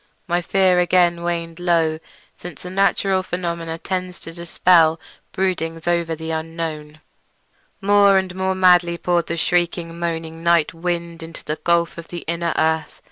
My fear again waned low, since a natural phenomenon tends to dispel broodings over the unknown. More and more madly poured the shrieking, moaning night wind into that gulf of the inner earth.